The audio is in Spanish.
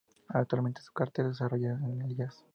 Actualmente su carrera se desarrolla en el jazz.